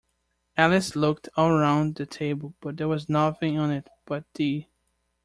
Alice looked all round the table, but there was nothing on it but tea.